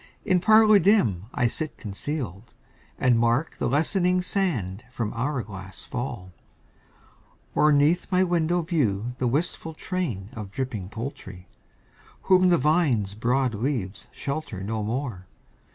In parlour dim I sit concealed, And mark the lessening sand from hour glass fall; Or 'neath my window view the wistful train Of dripping poultry, whom the vine's broad leaves Shelter no more.